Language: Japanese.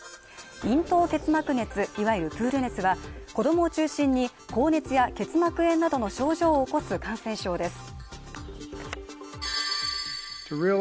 咽頭結膜熱、いわゆるプール熱は子どもを中心に高熱や結膜炎などの症状を起こす感染症です